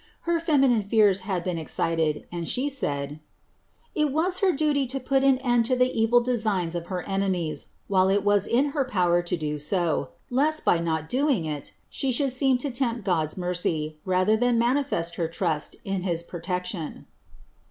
Her feminine fears had been excited, and she said, ^^ it her duty to put an end to the evil designs of her enemies, while it in her power to do so, lest, by not doing it, she should seem to tempt God's mercy, rather than manifest her trust in his protection."